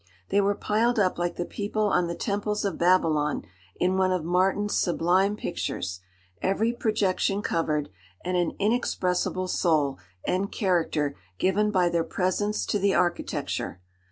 They were piled up like the people on the temples of Babylon in one of Martin's sublime pictures—every projection covered, and an inexpressible soul and character given by their presence to the architecture.